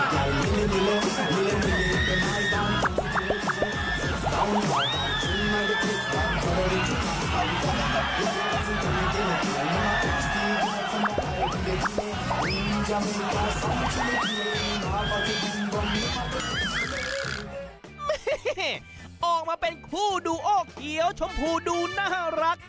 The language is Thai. ออกมาเป็นคู่ดูโอเขียวชมพูดูน่ารัก